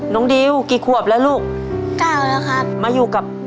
น้องดิวกี่ห้วบละลูก